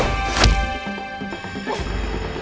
aku akan menghina kau